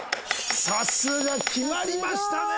さすが決まりましたね！